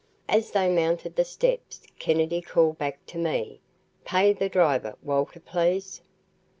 As they mounted the steps, Kennedy called back to me, "Pay the driver, Walter, please."